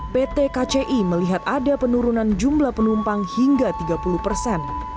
pt kci melihat ada penurunan jumlah penumpang hingga tiga puluh persen